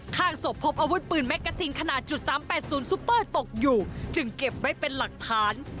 ข้างศพพบอาวุธปืนแกซีนขนาดจุด๓๘๐ซุปเปอร์ตกอยู่จึงเก็บไว้เป็นหลักฐาน